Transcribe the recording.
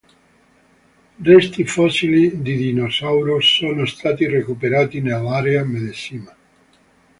Resti fossili di dinosauro sono stati recuperati nell'area medesima.